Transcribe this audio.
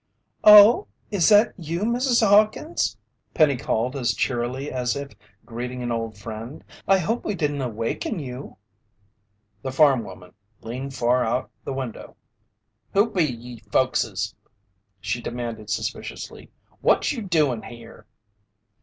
"Oh, is that you, Mrs. Hawkins?" Penny called as cheerily as if greeting an old friend. "I hope we didn't awaken you." The farm woman leaned far out the window. "Who be ye folkses?" she demanded suspiciously. "What you doin' here?"